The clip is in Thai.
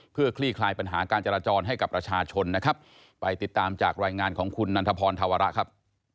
เพื่อคลี่คลายปัญหาการจราจรให้กับประชาชนนะครับไปติดตามจากรายงานของคุณนันทพรธวระครับ